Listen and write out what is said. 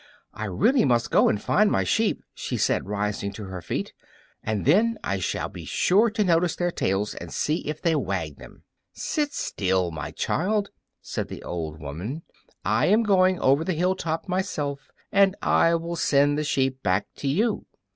"I really must go and find my sheep," she said, rising to her feet, "and then I shall be sure to notice their tails, and see if they wag them." "Sit still, my child," said the old woman, "I am going over the hill top myself, and I will send the sheep back to you."